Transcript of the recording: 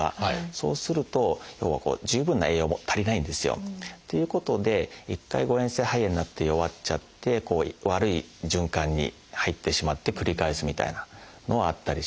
そうすると要は十分な栄養も足りないんですよ。ということで一回誤えん性肺炎になって弱っちゃって悪い循環に入ってしまって繰り返すみたいなのはあったりします。